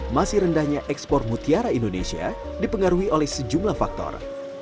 masih rendahnya ekspor mutiara indonesia dipengaruhi oleh sejumlah faktor